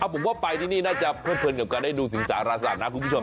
ผมว่าไปที่นี่น่าจะเพลิดเพลินกับการได้ดูสิงสารสัตว์นะคุณผู้ชม